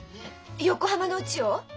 横浜のうちを？